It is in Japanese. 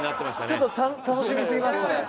ちょっと楽しみすぎましたね。